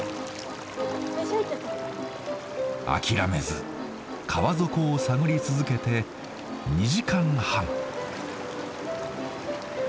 諦めず川底を探り続けて２時間半。